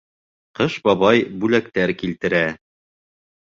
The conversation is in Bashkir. Ҡыш Бабай бүләктәр килтерә